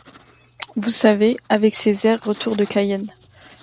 Vous savez, avec ses airs retour de Cayenne…